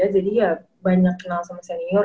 jadi ya banyak kenal sama senior